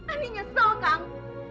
ani nyesel kang